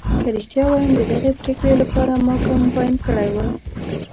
که رښتیا ووایم ددغې پرېکړې لپاره ما کمپاین کړی و.